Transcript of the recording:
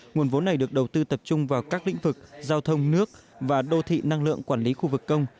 nguồn vốn này được đầu tư tập trung vào các lĩnh vực giao thông nước và đô thị năng lượng quản lý khu vực công